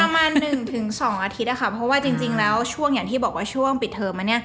ประมาณ๑๒อาทิตย์เพราะว่าจริงแล้วช่วงอย่างที่บอกว่าช่วงปิดเทอม